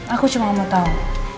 aku cuma mau tau